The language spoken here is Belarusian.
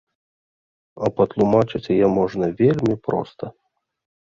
А патлумачыць яе можна вельмі проста.